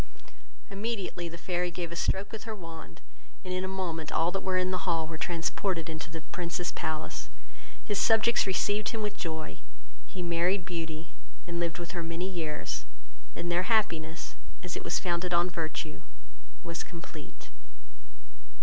Immediately the fairy gave a stroke with her wand, and in a moment all that were in the hall were transported into the Prince's palace. His subjects received him with joy; he married Beauty, and lived with her many years; and their happiness, as it was founded on virtue, was complete.